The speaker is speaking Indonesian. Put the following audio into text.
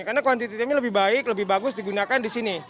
karena kuantitasnya lebih baik lebih bagus digunakan disini